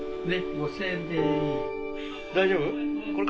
大丈夫？